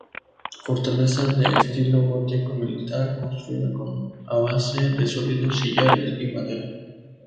Fortaleza de estilo gótico-militar, construida con a base de sólidos sillares y madera.